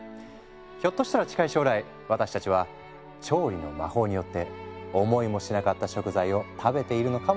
ひょっとしたら近い将来私たちは調理の魔法によって思いもしなかった食材を食べているのかもしれないね。